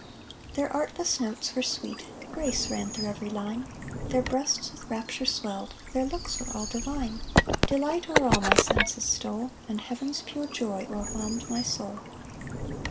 Their artless notes were sweet, Grace ran through every line; Their breasts with rapture swelled, Their looks were all divine: Delight o'er all My senses stole, And heaven's pure joy O'erwhelmed my soul.